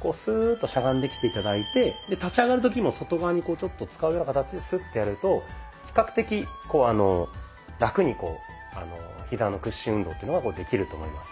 こうスーッとしゃがんできて頂いて立ち上がる時も外側にこうちょっと使うような形でスッてやると比較的ラクにひざの屈伸運動っていうのができると思います。